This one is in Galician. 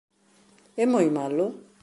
É moi malo?